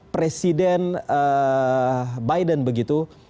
presiden biden begitu